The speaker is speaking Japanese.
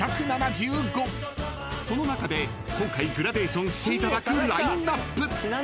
［その中で今回グラデーションしていただくラインアップ］